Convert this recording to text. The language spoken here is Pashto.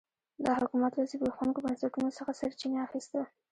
دا حکومت له زبېښونکو بنسټونو څخه سرچینه اخیسته.